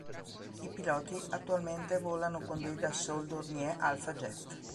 I piloti attualmente volano con dei Dassault-Dornier Alpha Jet.